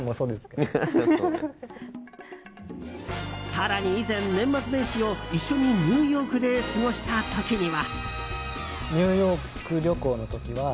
更に以前、年末年始を一緒にニューヨークで過ごした時には。